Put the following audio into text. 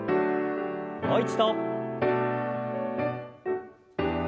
もう一度。